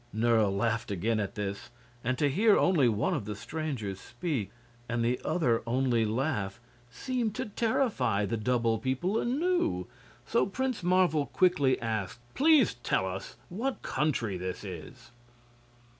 Nerle laughed again at this, and to hear only one of the strangers speak and the other only laugh seemed to terrify the double people anew. So Prince Marvel quickly asked: "Please tell us what country this is?"